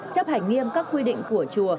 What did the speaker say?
chấp hành nghiêm các quy định của chùa